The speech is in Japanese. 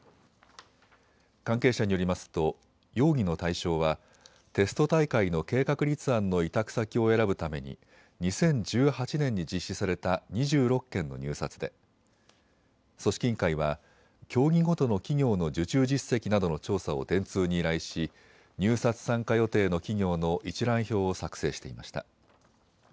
関係者によりますと容疑の対象はテスト大会の計画立案の委託先を選ぶために２０１８年に実施された２６件の入札で組織委員会は競技ごとの企業の受注実績などの調査を電通に依頼し入札参加予定の企業の一覧表を作成していました。